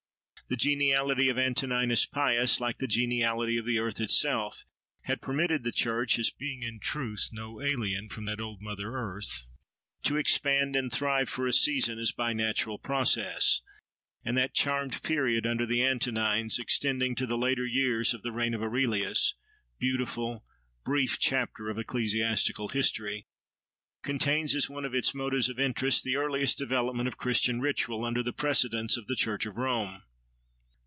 The geniality of Antoninus Pius, like the geniality of the earth itself, had permitted the church, as being in truth no alien from that old mother earth, to expand and thrive for a season as by natural process. And that charmed period under the Antonines, extending to the later years of the reign of Aurelius (beautiful, brief, chapter of ecclesiastical history!), contains, as one of its motives of interest, the earliest development of Christian ritual under the presidence of the church of Rome.